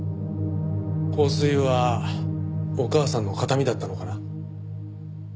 香水はお母さんの形見だったのかな？